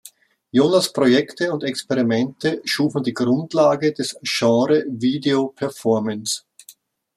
Jonas' Projekte und Experimente schufen die Grundlage des Genres „Video-Performance“.